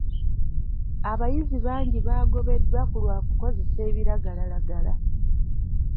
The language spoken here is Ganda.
Abayizi bangi baagobeddwa ku lwa kukozesa ebiragalalagala.